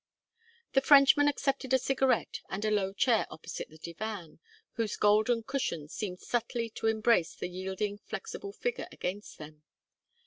The Frenchman accepted a cigarette and a low chair opposite the divan, whose golden cushions seemed subtly to embrace the yielding flexible figure against them.